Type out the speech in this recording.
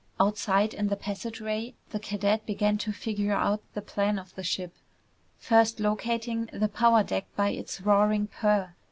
Outside in the passageway, the cadet began to figure out the plan of the ship, first locating the power deck by its roaring purr.